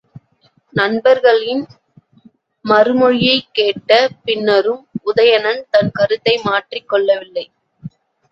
நண்பர்களின் மறுமொழியைக் கேட்ட பின்னரும் உதயணன் தன் கருத்தை மாற்றிக் கொள்ளவில்லை.